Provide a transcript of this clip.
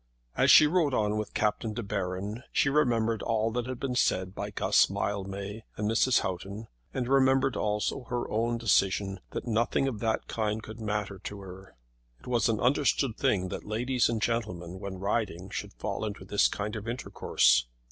As she rode on with Captain De Baron she remembered all that had been said by Guss Mildmay and Mrs. Houghton, and remembered also her own decision that nothing of that kind could matter to her. It was an understood thing that ladies and gentlemen when riding should fall into this kind of intercourse.